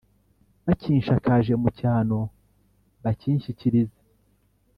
Bakinshakaje mu cyano bakinshyikirize